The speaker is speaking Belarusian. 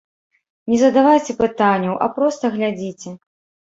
Не задавайце пытанняў, а проста глядзіце!